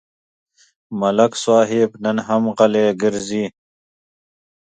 ملک صاحب نن هم غلی ګرځي.